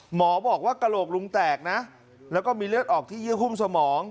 หมอบอกว่ากระโหลกลุงแตกนะแล้วก็มีเลือดออกที่เยื่อหุ้มสมอง